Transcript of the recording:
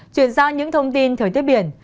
chuyển sang những thông tin thời tiết biển